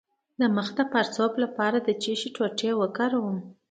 د مخ د پړسوب لپاره د څه شي ټوټې وکاروم؟